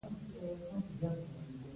خوړل د روژه ماتي خوند لري